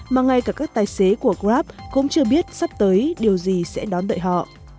mà ngay cả các tài xế của grab cũng chưa biết sắp tới điều gì sẽ đón đợi họ